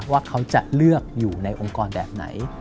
ว่าเขาจะเลือกอยู่ในองค์กรแบบไหน